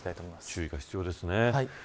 注意が必要ですね。